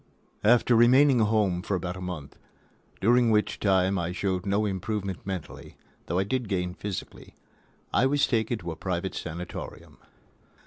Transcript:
V After remaining at home for about a month, during which time I showed no improvement mentally, though I did gain physically, I was taken to a private sanatorium.